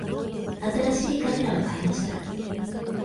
新しいカメラを買いました。